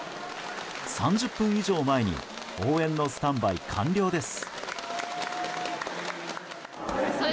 ３０分以上前に応援のスタンバイ完了です。